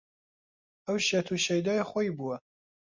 ئەو شێت و شەیدای خۆی بووە